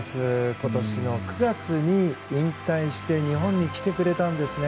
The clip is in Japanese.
今年の９月に引退して日本に来てくれたんですね。